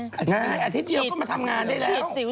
อาทิตย์เดียวก็มาทำงานได้แล้ว